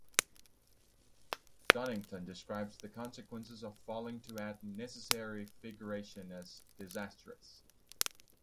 Donington describes the consequences of failing to add "necessary figuration" as "disastrous".